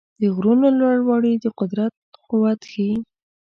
د غرونو لوړوالي د قدرت قوت ښيي.